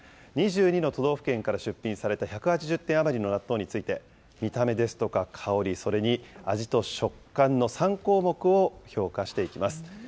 ２２の都道府県から出品された１８０点余りの納豆について、見た目ですとか香り、それに味と食感の３項目を評価していきます。